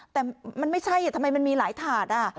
แต่มันไม่ใช่ทำไมมันมีหลายถาด